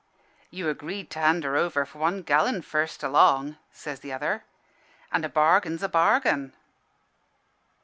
"'You agreed to hand her over for one gallon, first along,' says t'other,' an' a bargain's a bargain.'